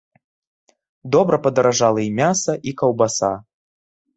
Добра падаражала і мяса, і каўбаса.